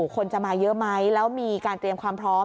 คนจะมาเยอะไหมแล้วมีการเตรียมความพร้อม